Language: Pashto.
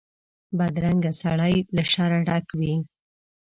بدرنګه سړی له شره ډک وي